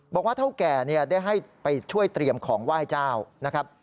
บอกว่าเท่าแก่ได้ให้ไปช่วยเตรียมของไหว้เจ้านะครับ